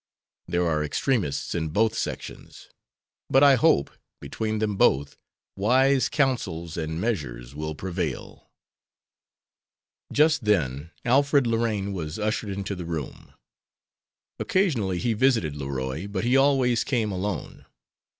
There are extremists in both sections, but I hope, between them both, wise counsels and measures will prevail." Just then Alfred Lorraine was ushered into the room. Occasionally he visited Leroy, but he always came alone.